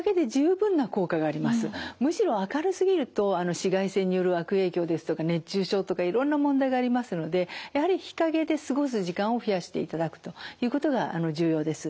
むしろ明るすぎると紫外線による悪影響ですとか熱中症とかいろんな問題がありますのでやはり日陰で過ごす時間を増やしていただくということが重要です。